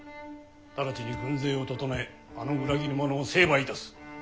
直ちに軍勢を整えあの裏切り者を成敗いたす。